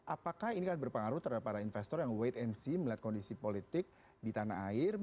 apakah ini akan berpengaruh terhadap para investor yang wait and see melihat kondisi politik di tanah air